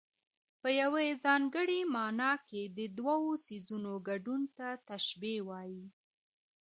په یوه ځانګړې مانا کې د دوو څيزونو ګډون ته تشبېه وايي.